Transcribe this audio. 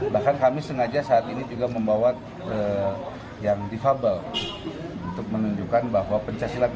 bahkan kami sengaja saat ini juga membawa yang difabel untuk menunjukkan bahwa pencaksilat